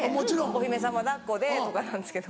お姫様抱っこでとかなんですけど。